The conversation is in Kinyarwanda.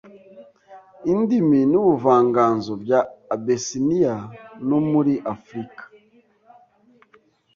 indimi n'ubuvanganzo bya Abessinia No muri Afrika